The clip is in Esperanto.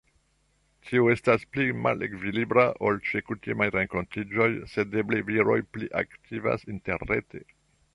Tio estas pli malekvilibra ol ĉe kutimaj renkontiĝoj, sed eble viroj pli aktivas interrete.